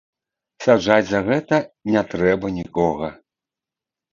Саджаць за гэта не трэба нікога.